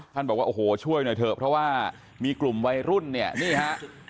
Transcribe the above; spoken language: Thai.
บอกว่าโอ้โหช่วยหน่อยเถอะเพราะว่ามีกลุ่มวัยรุ่นเนี่ยนี่ฮะ